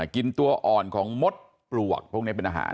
กินตัวอ่อนของมดปลวกพวกนี้เป็นอาหาร